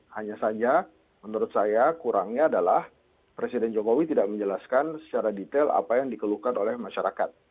hanya saja menurut saya kurangnya adalah presiden jokowi tidak menjelaskan secara detail apa yang dikeluhkan oleh masyarakat